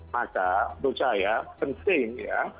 maka menurut saya penting ya